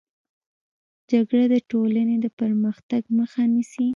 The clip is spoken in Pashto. جګړه د ټولني د پرمختګ مخه نيسي.